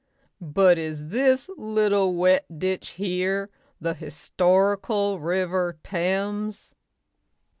But is this little wet ditch here the Historical River Thames?"